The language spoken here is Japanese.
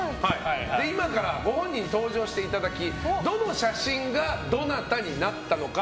今からご本人に登場していただきどの写真がどなたになったのか。